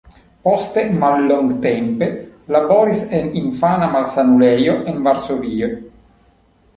Poste mallongtempe laboris en infana malsanulejo en Varsovio.